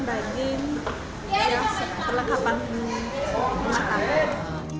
ya perlengkapan makanan